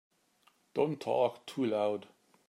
Don't talk too loud.